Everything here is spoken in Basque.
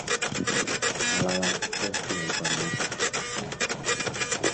Alabak ez du aita onartzen.